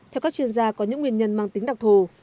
nhiều chuyên gia có những nguyên nhân mang tính đặc thù